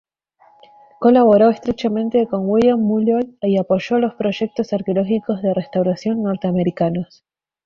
Colaboró estrechamente con William Mulloy y apoyó los proyectos arqueológicos de restauración norteamericanos.